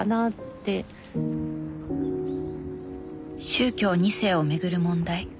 宗教２世をめぐる問題。